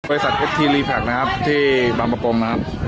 บริษัทเอฟทีรีแพลกนะครับที่บาประโปรมนะครับ